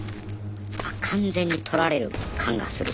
あ完全に取られる感がすると。